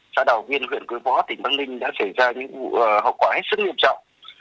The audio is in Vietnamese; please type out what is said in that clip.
xã đảo biên huyện quế võ tỉnh bắc ninh đã xảy ra những vụ hậu quả hết sức nghiêm trọng